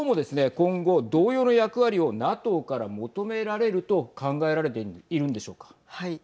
今後、同様の役割をＮＡＴＯから求められると考えられているんでしょうか。